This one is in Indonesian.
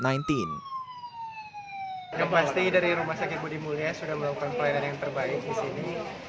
dari rumah sakit budi mulia sudah melakukan pelayanan yang terbaik di sini